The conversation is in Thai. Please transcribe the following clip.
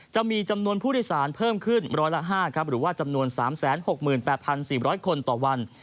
จะมีจำนวนผู้โดยสารเพิ่มขึ้นร้อยละ๕หรือว่าจำนวน๓๖๘๔๐๐คนต่อวัน